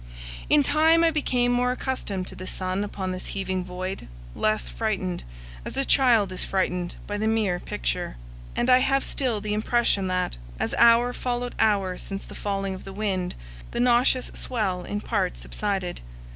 In time I became more accustomed to the sun upon this heaving void; less frightened, as a child is frightened, by the mere picture. And I have still the impression that, as hour followed hour since the falling of the wind, the nauseous swell in part subsided.